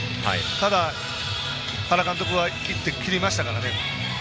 ただ、原監督は行って切りましたからね。